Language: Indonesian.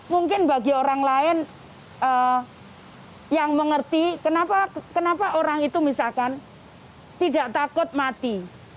mungkin bagi orang lain yang mengerti kenapa orang itu misalkan tidak takut mati